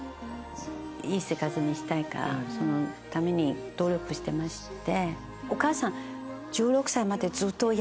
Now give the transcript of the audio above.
いい生活にしたいからそのために努力してまして。